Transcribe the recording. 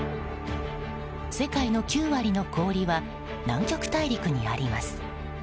世界の９割の氷は南極大陸にあります。